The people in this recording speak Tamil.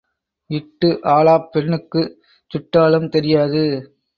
இட்டு ஆளாப் பெண்ணுக்குச் சுட்டாலும் தெரியாது.